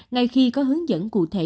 ngay khi có hướng dẫn cụ thể